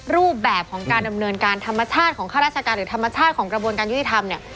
รูปแบบของการดำเนินการธรรมชาติของข้าราชการหรือธรรมชาติของกระบวนการยุติธรรมเนี่ย